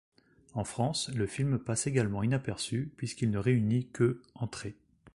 En France, le film passe également inaperçu puisqu'il ne réunit que entrées.